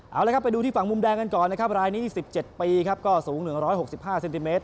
เอาละครับไปดูที่ฝั่งมุมแดงกันก่อนนะครับรายนี้๒๗ปีครับก็สูง๑๖๕เซนติเมตร